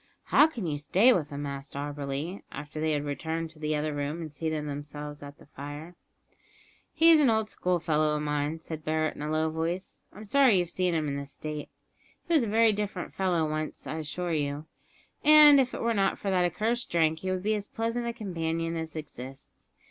"How can you stay with him?" asked Auberly, after they had returned to the other room and seated themselves at the fire. "He is an old schoolfellow of mine," said Barret in a low voice. "I'm sorry you've seen him in this state. He was a very different fellow once, I assure you; and if it were not for that accursed drink he would be as pleasant a companion as exists.